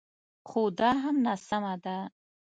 خو دا هم ناسمه ده